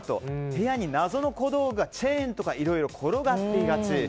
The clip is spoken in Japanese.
部屋に謎の小道具チェーンとかいろいろ転がっていがち。